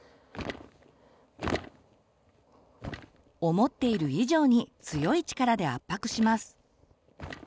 思っている以上に強い力で圧迫します。